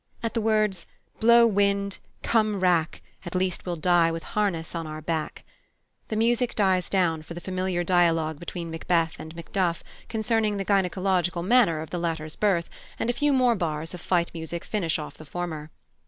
At the words, "Blow, wind, come, wrack! At least we'll die with harness on our back," the music dies down for the familiar dialogue between Macbeth and Macduff concerning the gynæcological manner of the latter's birth, and a few more bars of fight music finish off the former.